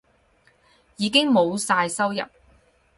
已經冇晒收入